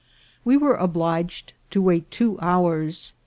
We were obliged to wait two hours.